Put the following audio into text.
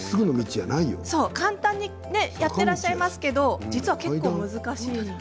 簡単にやっていらっしゃいますけれど実は結構難しいんです。